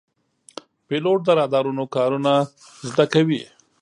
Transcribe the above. پیلوټ د رادارونو کارونه زده کوي.